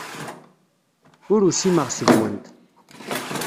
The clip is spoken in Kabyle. Ur usimeɣ seg-went.